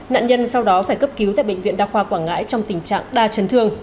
nạn nhân sau đó phải cấp cứu tại bệnh viện đa khoa quảng ngãi trong tình trạng đa chấn thương